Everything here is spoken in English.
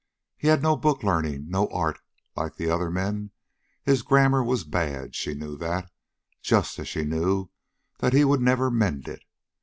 He had no book learning, no art, like the other men. His grammar was bad; she knew that, just as she knew that he would never mend it.